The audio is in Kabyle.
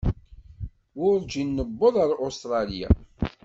Werǧin newweḍ ar Ustṛalya.